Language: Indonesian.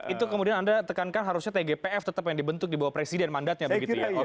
itu kemudian anda tekankan harusnya tgpf tetap yang dibentuk di bawah presiden mandatnya begitu ya